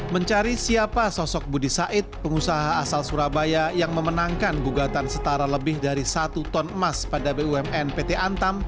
mencari siapa sosok budi said pengusaha asal surabaya yang memenangkan gugatan setara lebih dari satu ton emas pada bumn pt antam